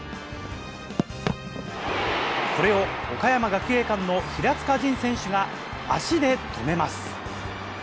これを、岡山学芸館の平塚仁選手が足で止めます。